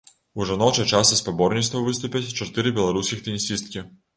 У жаночай частцы спаборніцтваў выступяць чатыры беларускіх тэнісісткі.